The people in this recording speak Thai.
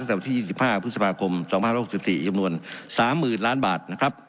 ตั้งแต่วันที่๒๕พฤษภาคม๒๐๖๔จำนวน๓๐๐๐๐ล้านบาท